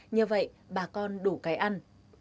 như vậy bà con đủ cái ăn